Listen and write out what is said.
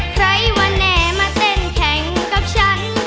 ใครว่าแน่มาเต้นแข่งกับฉัน